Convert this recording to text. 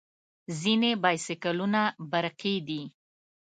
ځینې بایسکلونه برقي دي.